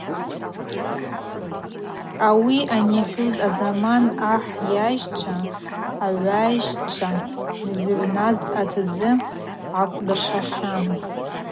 Ауи анихӏвуз азаман ахӏ йайсчва агӏвайщчва зыгӏвназ атдзы гӏакӏвдыршахьан.